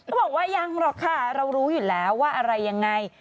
บอกว่ายังหรอกค่ะเรารู้อยู่แล้วว่าอะไรยังไง